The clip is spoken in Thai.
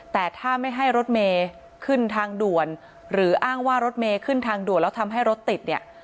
แต่ถ้าไม่ให้รถเมย์ขึ้นทางด่วนหรืออ้างว่ารถเมย์ขึ้นทางด่วนแล้วทำให้รถติดเนี่ย